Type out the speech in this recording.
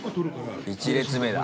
１列目だ。